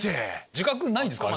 自覚ないんですか？